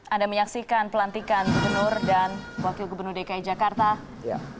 anda menyaksikan pelantikan gubernur dan wakil gubernur dki jakarta